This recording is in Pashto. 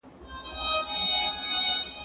ځوانيمرگي اوړه څنگه اخښل كېږي